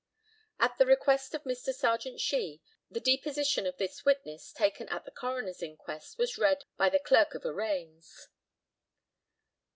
At the request of Mr. Serjeant SHEE, the deposition of this witness taken at the coroner's inquest was read by the Clerk of Arraigns.